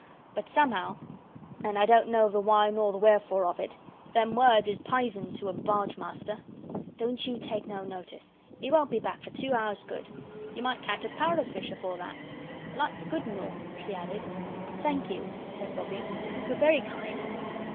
But somehow, and I don't know the why nor the wherefore of it, them words is p'ison to a barge master. Don't you take no notice. 'E won't be back for two hours good. You might catch a power o' fish afore that. The light's good an' all," she added. "Thank you," said Bobbie. "You're very kind.